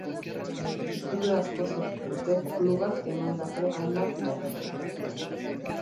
Duda asko sortu dute klubak emandako hainbat datuk.